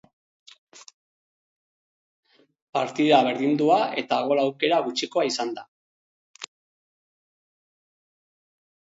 Partida berdindua eta gol aukera gutxikoa izan da.